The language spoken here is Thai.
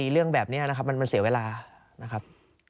เรื่องแบบนี้นะครับมันเสียเวลานะครับ